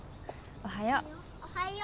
おはよう。